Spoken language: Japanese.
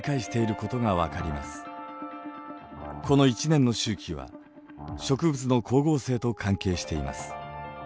この１年の周期は植物の光合成と関係しています。